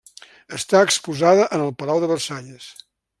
Està exposada en el Palau de Versalles.